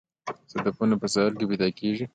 صدفونه په ساحل کې پیدا کیږي